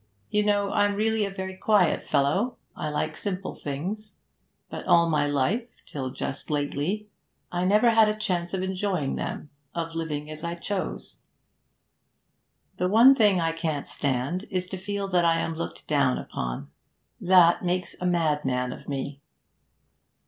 You know, I'm really a very quiet fellow. I like simple things; but all my life, till just lately, I never had a chance of enjoying them; of living as I chose. The one thing I can't stand is to feel that I am looked down upon. That makes a madman of me.'